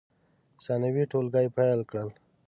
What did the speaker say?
ثانوي ټولګي پیل کړل.